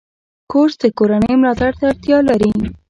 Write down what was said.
کورس د کورنۍ ملاتړ ته اړتیا لري.